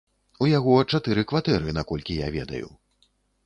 У яго чатыры кватэры, наколькі я ведаю.